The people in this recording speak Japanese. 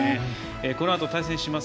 このあと対戦します